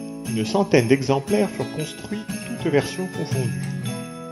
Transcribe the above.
Une centaine d'exemplaires furent construits toutes versions confondues.